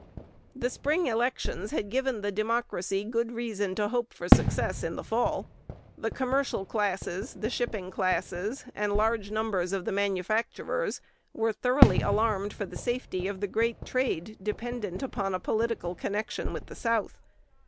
The spring elections had given the democracy good reason to hope for success in the fall. The commercial classes, the shipping classes, and large numbers of the manufacturers, were thoroughly alarmed for the safety of the great trade dependent upon a political connection with the South.